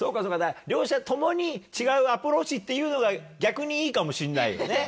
両者ともに違うアプローチっていうのが逆にいいかもしんないよね。